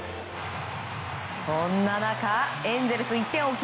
そんな中、エンゼルス１点を追う